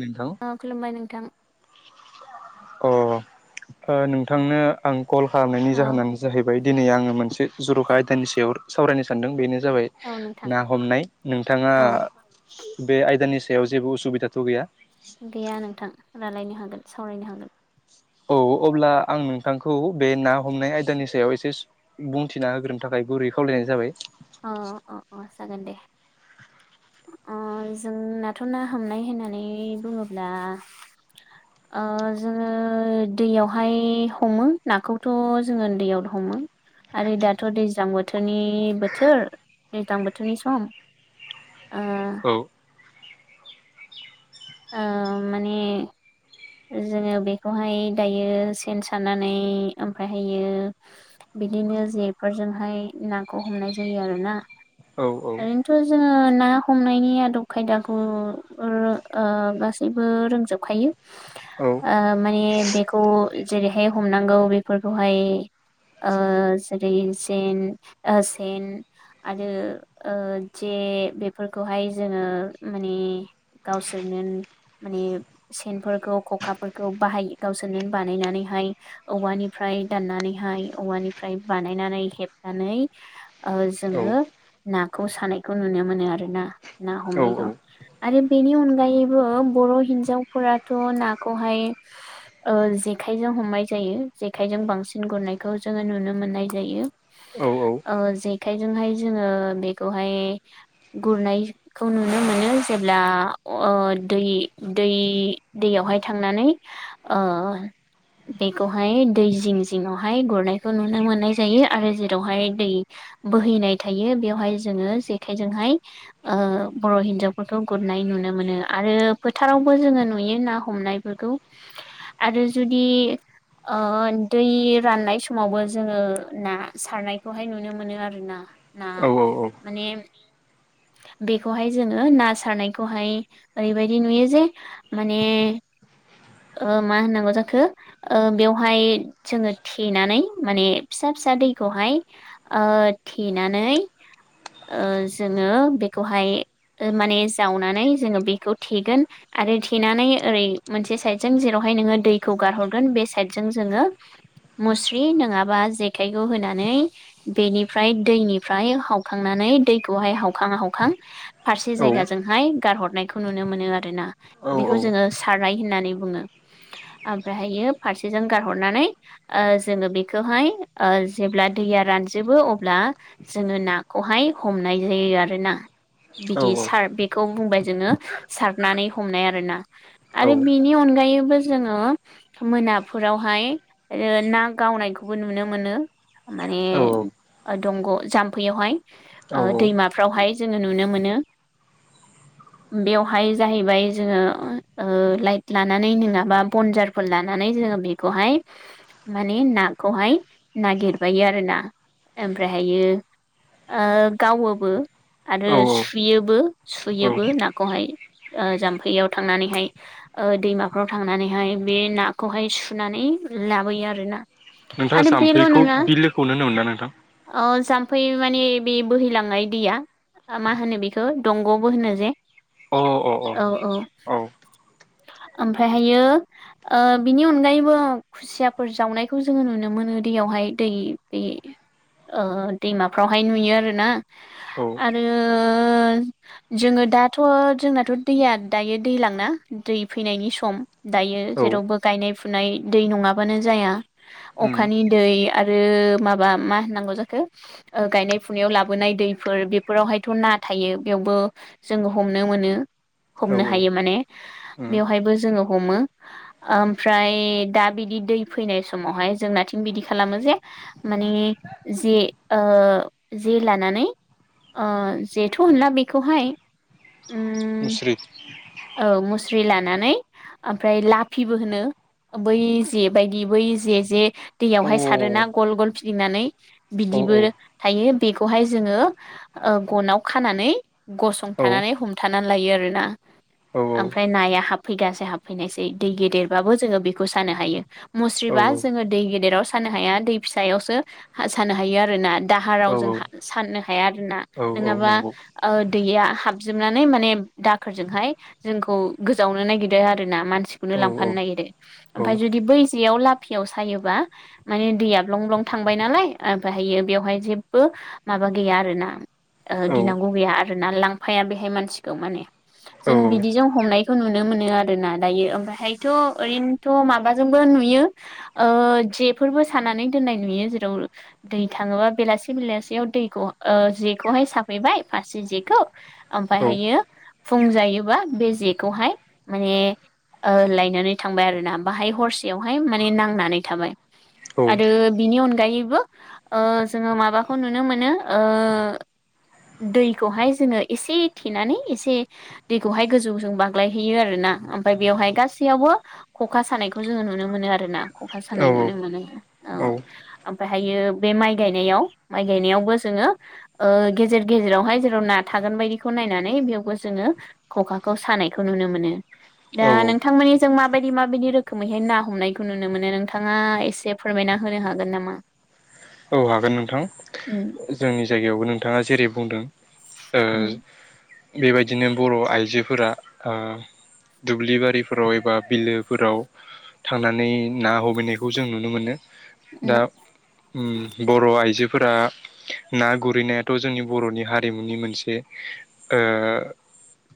नोंथां अ खुलुमबाय नोंथां- अ ओ नोंथांनो आं कल खालामनायनि औ जाहोनानो जाहैबाय दिनै आङो मोनसे जर'खा आयदानि सायाव सावरायनो सानदों बेनो- जाबाय औ नोंथां ना हमनाय नोंथाङा औ बे आयदानि सायाव जेबो उसुबिदा- थ' गैया- गैया नोंथां रायलायनो हागोन सावरायनो हागोन! औ अब्ला आं नोंथांखौ बे ना हमनाय आयदानि सायाव एसेस बुंथिना होग्रोनो थाखाय- गुरै खावलायनाय जाबाय- अ-अ-अ जागोन दे! ओम जोंनाथ' ना हमनाय होननानै बुङोब्ला ओ जोङो दैयावहाय हमो नाखौथ' जोङो ओनदैयाव हमो! आरो दाथ' दैज्लां बोथोरनि बोथ थोर दैज्लां बोथोरनि सम ओ- औ ओ माने- जोङो बेखौहाय दायो सेन सानानै ओमफ्रायहायो बिदिनो जेफोरजोंहाय नाखौ हमनाय जायो आरोना- औ-औ! ओरैनोथ' जोङो ना हमनायनि आदब खायदाखौ ओरो- ओ गासैबो रोंजोबखायो- औ ओ माने बेखौ जेरैहाय हमनांगौ बेफोरखौहाय ओ जेरै जेन ओ सेन आरो ओ जे- ए बेफोरखौहाय जोङो मानि गावसोरनोन माने सेनफोरखौ खखाफोरखौ बाहाय गावसोरनो बानायनानैहाय नै औवानिफ्राय दाननानैहाय औवानिफ्राय बानायनानै हेबनानै ओ- औ जोङो नाखौ सानायखौ नुनो मोनो आरोना ना औ हमनायखौ आरो बेनि अनगायैबो बर' हिनजावफोराथ' नाखौहाय ओ जेखायजों- हमनाय जायो जेखायजों बांसिन गुरनायखौ जोङो नुनो मोननाय जायो! औ औ जेखाइजोंहाय जोङो बेखौहाय गुरनायखौ नुनो मोनो जेब्ला ओ दै दै दैयावहाय थांनानै ओ बेखौहाय दै जिं जिङावहाय गुरनायखौ नुनो मोननाय जायो आरो जेरावहाय दै बोहैनाय थायो बेवहाय जोङो जेखाइजोंहाय ओ बर' हिनजावफोरखौ गुरनाय नुयो! नुनो मोनो आरो फोथारावबो जोङो नुयो ना हमनायफोरखौ आरो जुदि- ओ दै राननाय समावबो जोङो ना सारनायखौहाय नुनो मोनो आरोना! ना औ माने बेखौहाय जोङो ना सारनायखौ खौहाय ओरैबायदि नुयो जे माने ओ मा होननांगौ जाखो ओ बेवहाय जोङो थेनानै माने फिसा- फिसा फिसा दैखौहाय ओ थेनानै- ओ जोङो बेखौहाय माने- जावनानै जोङो बेखौ थेगोन आरो थेनानै ओरै मोनसे साइदजों जेरावहाय नोङो दैखौ हगार हरगोन बे साइदजों जोंओ मुस्रि नोंआबा जेखाइखौ होनानै- बेनिफ्राय दैनिफ्राय हावखांनानै दैखौहाय हावखां हावखां फारसे जायगासि- गारहरनायखौ नुनो मोनो आरोना बेखौ जोङो सारनाय होननानै बुङो! ओमफ्रायहायो फारसेजों गारहरनानै ओ जोङो बेखौहाय ओ जेब्ला दैया रानजोबो अब्ला जोङो नाखौहाय हमनाय जायो आरोना- बिदि सार बेखौ बुंबाय जोङो सारनानै हमनाय आरोना! आरो बिनि अनगायै- बो जोङो मोनाफोरावहाय ना गावनायखौबो नुनो मोनो! माने दंग जाम्फैयावहाय- ओ दैमाफ्रावहाय जोङो नुनो मोनो [unintelligible] उम बेवहाय जाहैबाय जोङो ओ ओ लाइट लानानै नोङाबा बनजारफोर लानान नै जोङो बेखौहाय माने नाखौहाय नागिरबायो आरोना ओमफ्रायहायो ओ गावोबो आरो औ सुयोबो औ सुयोबो नाखौहाय ओ जाम्फैयाव थांनानैहाय ओ दैमाफ्राव थांनानैहाय मे नाखौहाय सुनानै लाबोयो आरोना नोंथाङा आरो बेल' नोङा जाम्फैखौ जाम बिलोखौनो होनोमोन ना नोंथां ओ जाम फै माने बे बोहैलांनाय दैया ओ मा होनो बेखो दंगबो होनो जे अ औ औ [unintelligible] ओमफ्रायहायो ओ बिनि अनगायैबो खुसियाफोर जावनायखौ जोङो नुनो मोनो दैयाव हाय दै बे ओ दैमाफ्रावहाय नुयो आरोना औ आरो जोङो दाथ' जोंनाथ' दैया दायो दैलांना दै फैनायनि सम दायो औ जेरावबो गायनाय फुनाय दै नङाबानो जाया अ उम अखानि दै आरो माबा मा होननांगौ जाखो ओ गायनाय फुनायाव लाबोनाय दैफोर बेफोरावहायथ' ना थायो बेयावबो जोङो हमनो मोनो औ हमनो औ हायो माने [unintelligible] बेवहायबो जोङो हमो ओमफ्राय दा बिदि दै फैनाय समावहाय जोंनाथिं बिदि खालामो जे माने जे ओ जे लानानै ओ जेथ' होनला बेखौहाय उम मुस्रि औ मुस्रि लानानै ओमफ्राय लाफिबो होनो बै जे बायदि बै जे जे अ औ दैयावहाय सारोना गल गल फिदिंनानै बिदि औ दिबो थायो बेखौहाय जोङो ओ गनाव खानानै औ गसंथानानै हम थानानै लायो आरोना औ ओमफ्राय नाया हाबफैगासे हाबफैनायसै दै गेदेरबाबो जोङो बेखौ सानो हायो मुस्रिबा जोङो दै गेदेराव सानो हाया दै फिसायावसो हा सानो हायो आरोना औ दाहाराव जोंहा सान नो हाया आरो ना औ औ नोङाबा नंगौ ओ दैया हाबजोबनानै माने दाखोरजोंहाय जोंखौ गोजावनो नागिरो आरो ना मानसिखौनो औ औ लांफानो नागिरो औ ओमफाय जुदि बै जेयाव लाब फियाव सायोब्ला माने दैया ब्लं ब्लं थांबाय नालाय ओमफाय हायो बेवहाय जेब्बो मा माबा गैया आरोना ओहो औ गिनांगौ गैया आरोना लांफाया बेहाय मानसिखौ माने जों औ बिदिजों हमनायखौ नुनो मोनो आरो ना दायो ओमफ्रायहायथ' ओरैनोथ' माबाजोंबो नुयो [unintelligible] ओ जेफोरबो सानानै दोननाय नुयो जेराव दै थाङोबा बेलासे बेलासेयाव [unintelligible] दैखौ ओ जेखौहाय साफैबाय फासे जेखौ औ ओमफायहायो फुंजायो बा बे जेखौहाय माने ओ लायनानै थांबाय आरो ना बाहाय हरसेयावहाय माने नांनानै थाबाय आरो बिनि अनगायैब बो ओ जोङो माबाखौ नुनो मोनो ओ दैखौहाय जोङो एसे थेनानै एसे दैखौहाय गोजौजों बाग्लायहैयो आरोना ओमफाय बेवहाय गासैयावबो ख'खा सानायखौ जोङो नुनो मोनो आरोना। ख'खा सानाय नुनो मोनो औ ओमफ्रायहायो बे माइ गायनायाव माइ गायनायावबो जोङो ओ गेजेर गेजेरावहाय जेराव ना थागोन बायदिखौ नायनानै बेयावबो जोङो ख'खाखौ सानायखौ नुनो मोनो दा नोंथांमोननि जों माबायदि माबायदि रोखोमैहाय ना हमनायखौ नुनो मोनो नोंथाङा एसे फोरमायना होनो हागोन नामा? औ हागोन नोंथां उम जोंनि जायगायावबो नोंथाङा जेरै बुंदों ओ उम बेबायदिनो बर' आइजोफोरा ओ दुब्लि बारिफोराव एबा बिलोफोराव थांनानै ना हमैनायखौ जों नुनो मोनो दा उम उम बर' आइजोफोरा ना गुरैनायाथ' जोंनि बर'नि हारिमुनि मोनसे ओ ओ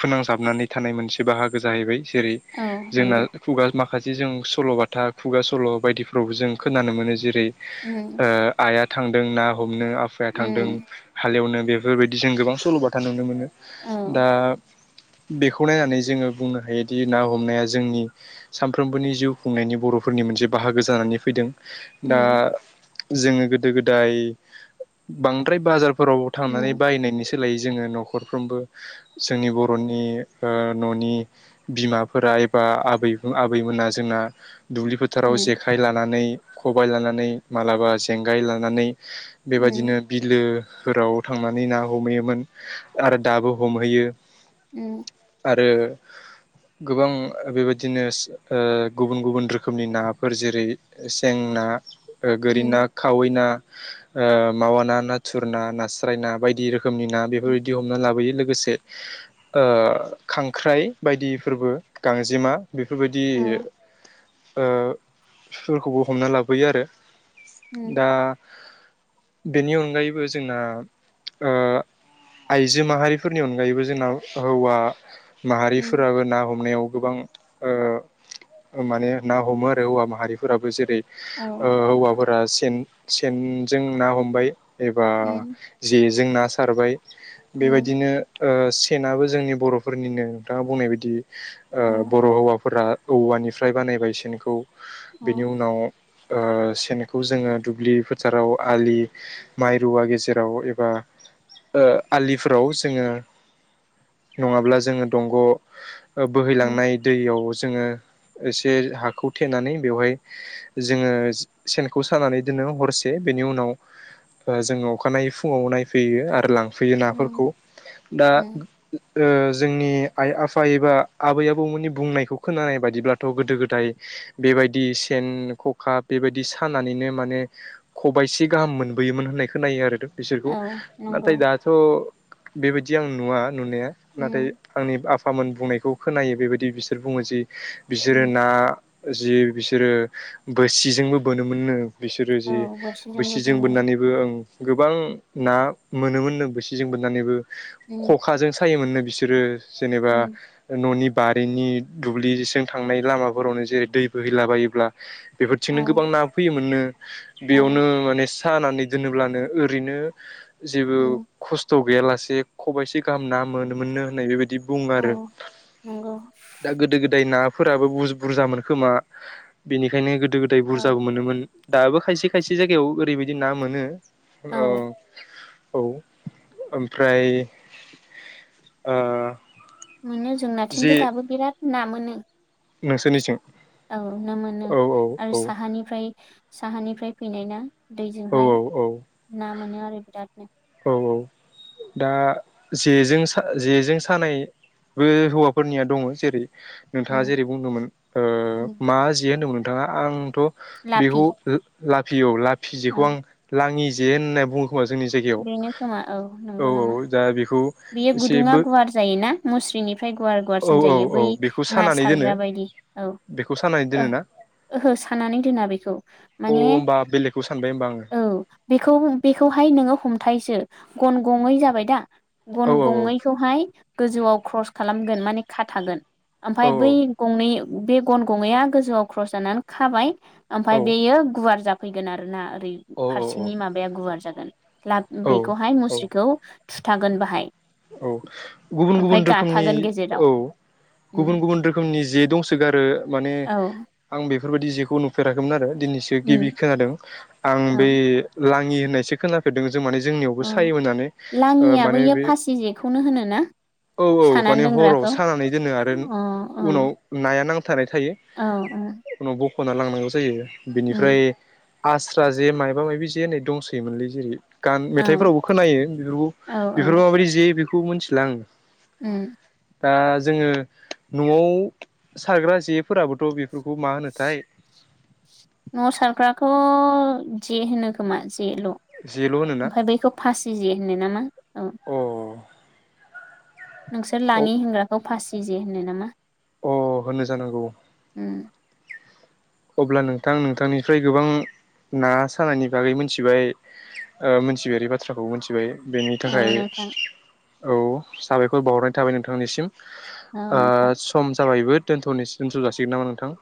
फोनांजाबनानै थानाय मोनसे बाहागो जाहैबाय जेरै औ जोंना नंगौ खुगा मा माखासे जों सल'बाथा खुगा सल' बायदिफ्रावबो जों खोनानो मोनो जेरै उम ओ आइआ थांदों ना हमनो आफाया थांदों उम हालेवनो बेफोरबायदि जों गोबां सल'बाथा नुनो मोनो। औ दा बेखौ नायनानै जोङो बुंनो हायोदि ना हमनाया जोंनि सानफ्रोमबोनि जिउ खुंनायनि बर' बर' फोरनि मोनसे बाहागो जानानै फैदों। दा उम जोङो गोदो गोदाय बांद्राय बाजार फोराव थांनानै उम बायनायनि सो सोलायै जोङो न'खरफ्रोमबो जोंनि बर'नि ओ न'नि बिमाफोरा आइबा आबै आबैमोना जोंना दुब्लि फोथाराव उम जेखाइ लानानै खबाइ लानानै मालाबा जेंगाय लानानै उम बेबायदिनो बिलो फोराव थांनानै ना हमहैयोमोन आरो दाबो हमहैयो। उम आरो गोबां बेबायदिनो ओ गुबुन गुबुन रोखोमनि नाफोर जेरै सें ना ओ गोरि ना उम खावै ना ओ मावा ना नाथुर ना नास्राय ना बायदि रोखोम [unintelligible] खोमनि ना बेफोरबायदि हमना लाबोयो लो गोसो ओ ओ खांख्राइ बायदिफोरबो गांजेमा बेफोरबायदि औ [unintelligible] ओ फोरखौबो हमना लाबोयो आरो। उम दा बेनि अनगायैबो जोंना ओ आइजो माहारिफोरनि अनगायैबो जोंनाव हौवा उम माहारिफोराबो ना हमनायाव गोबां ओ माने ना हमो आरो हौवा माहारिफोराबो जेरै ओ औ हौवाफोरा सेन सेनजों ना हमबाय। एबा उम जेजों ना सारबाय उम बेबायदिनो ओ सेनाबो जोंनि बर'फोरनिनो नोंथाङा बुंनाय बायदि ओ औ बर' हौवाफोरा औवानिफ्राय बानायबाय सेनखौ बेनि औ उनाव सेनखौ जोङो दुब्लि फोथाराव आलि माइ रुवा गेजेराव एबा ओ आलिफोराव जोङो नङाब्ला जोङो दंग' उम बोहैलांनाय दैयाव जोङो एसे हाखौ थेनानै बेवहाय जोङो सेनखौ सानानै बिदिनो हरसे बेनि उनाव जोङो अखानायै फुङाव नायफैयो आरो लां फैयो नाफोरखौ उम दा उम ओ जोंनि आइ आफा एबा आबै आबौमोननि बुंनायखौ खोनानाय बादिब्लाथ' गोदो गोदाय बेबायदि सेन खखा बेबायदि सानानैनो माने खबाइसे गाहाम मोनबोयोमोन होननाय खोननायो आरो बिसोरखौ‌ औ नंगौ नाथाय दाथ' बेबायदि आं नुवा नुनाया नाथाय उम आंनि आ फामोन बुंनायखौ खोनायो बेबायदि बिसोर बुङो जि बिसोरो उम ना जि बिसोरो बोसिजोंबो बोनोमोननो बिसोरो औ जे बोरसिजोंबो बैसिजों बेनो बोननानैबो ओं गोबां ना मोनोमोन नो बोसिजों बोननानैबो उम खखाजों सायोमोन नो बिसोरो जेनेबा उम न'नि बारिनि दुब्लिजों थांनाय लामाफोरावनो जेरै दै बोहैलाबायोब्ला बेफोरथिंनो औ गोबां ना फैयोमोननो। औ बेयावनो माने सानानै दोनोब्लानो ओरैनो जेबो उम खस्थ' गैयालासे खबाइसे गाहाम ना मोनोमोननो होननाय बेबायदि [unintelligible] बुङो औ आरो नंगौ दा गोदो गोदाय ना फोराबो बुर बुरजामोन खोमा बेनिखायनो गोदो गोदाय औ बुरजाबो मोनोमोन। दाबो खायसे खायसे जायगायाव ओरैबायदि ना मोनो औ औ ओमफ्राय मोनो जों जे नाथिंबो दाबो बिराद ना मोनो। नोंसोरनिथिं औ ना मोनो। औ आरो साहानिफ्राय साहानिफ्राय फैनाय ना। दैजोंहाय औ औ ना मोनो आरो बिरादनो। औ औ! दा जेजों जेजों सानायबो हौवाफोरनिया दङ जेरै नोंथाङा उम जेरै बुंदोंमोन ओ उम मा जे होनदोंमोन नोंथाङा आं थ लाफि बेखौ लाफियो लाफि जेखौ औ आं लाङि जे होननानै बुङो खोमा जोंनि जायगावऔ बेनो खोमा औ औ नंगौ नामा दा बेखौ बेयो गुदुङा एसेबो गुवार जायोना मुस्रिनिफ्राय गुवार औ गुवारसिन जायो औ बै बेखौ ना सानानै दोनो सारग्रा बायदि औ बेखौ सानानै ओ दोनोना ओहो साननानै दोना बेखौ। अ माने होमबा बेलेगखौ सानबाय होमबा आङो औ बेखौ बेखौ हाय नोङो हमथाय [unintelligible] गन गयै जाबायदा गन औ गयैखौहाय गोजौआव [unintelligible] खालामगोन माने खा थागोन। औ ओमफ्राय बै गंनै बे गन गङैया गोजौआव ख्रस जानानै खाबाय ओमफाय औ बेयो गुवार जाफैगोन आरो ना। औ फारसेनि माबाया गुवार जागोन। लाब औ बेखौहाय औ मुस्रिखौ थुथागोन बाहाय। औ गुबुन गुबुन ओमफ्राय रोखोमनि गाथागोन गेजेराव औ उम गुबुन गुबुन रोखोमनि जे दंसोगारो माने औ आं बे बेफोरबायदि जेखौ नुफेराखैमोन आरो दिनैसो उम गिबि खोनादों आं औ बै लाङि होननायसो खोनाफेरदों जों माने जोंनियावबो औ सायो होन्नानै ओ लाङिया माने बैयो बे फासि जेखौनो होनो ना औ औ सानानै माने हराव दोनग्राखौ सानानै दोनो आरो अ अ उनाव ना या नांथानाय थायो औ औ उनाव बख'ना लांनांगौ जायो बिनिफ्राय उम आस्रा जे मायबा माबि जे होनै दंसैयोमोनलै जेरै गान औ मेथाइफोरावबो खोनायो औ औ [unintelligible] जे बेखौ मिथिला आं उम दा जोङो न'आव सारग्रा जेफोराबोथ' बेफोरखौ मा होनोथाय [inaudible] न'वाव सारग्राखो जे होनो खोमा जेल' जेल' होनोना ओमफाय बैखौ फासि जे होनो नामा ओ अ नोंसोर लाङि होनग्राखौ फासि जे होनो नामा अ होनो जानांगौ उम अब्ला नोंथां नोंथांनिफ्राय गोबां ना सानायनि बागै मोनथिबाय ओ मोन्थिफेरि बाथ्राखौ मोन्थिबाय बेनि औ थाखाय नोंथां औ साबायखर बावहरनाय थाबाय नोंथांनिसिम औ ओ नोंथां सम जाबायबो दोनथ'नोस दोन्थ' जासिगोन नामा नोंथां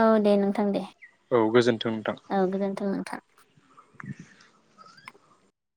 औ दे नोंथां दे औ गोजोन्थों नोंथां औ गोजोनथों नोंथां